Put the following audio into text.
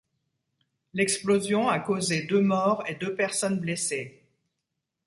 L'explosion a causé deux morts et deux personnes blessées.